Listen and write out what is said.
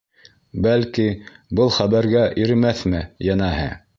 Бәлки, был хәбәргә иремәҫме, йәнәһе.